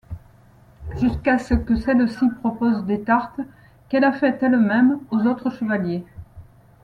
Jusqu'à ce que celle-ci propose des tartes, qu'elle a faites elle-même, aux autres chevaliers.